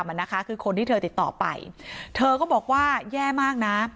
มันนะคะคือคนที่เธอติดต่อไปเธอก็บอกว่าแย่มากนะ